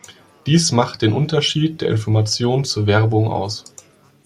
Dies macht den Unterschied der Information zur Werbung aus.